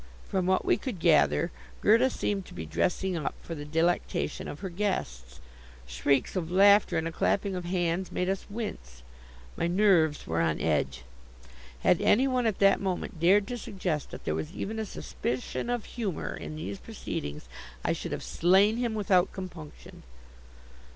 From what we could gather, Gerda seemed to be "dressing up" for the delectation of her guests. Shrieks of laughter and clapping of hands made us wince. My nerves were on edge. Had any one at that moment dared to suggest that there was even a suspicion of humor in these proceedings I should have slain him without compunction.